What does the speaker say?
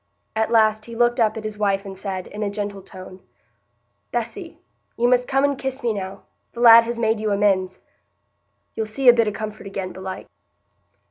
At last he looked up at his wife and said, in a gentle tone: "Bessy, you must come and kiss me now—the lad has made you amends. You'll see a bit o' comfort again, belike."